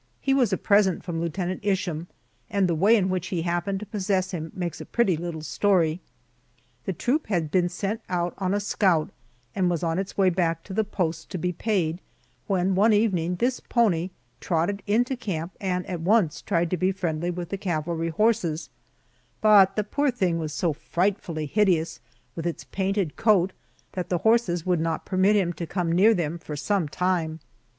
He was a present from Lieutenant Isham, and the way in which he happened to possess him makes a pretty little story. The troop had been sent out on a scout, and was on its way back to the post to be paid, when one evening this pony trotted into camp and at once tried to be friendly with the cavalry horses, but the poor thing was so frightfully hideous with its painted coat the horses would not permit him to come near them for some time.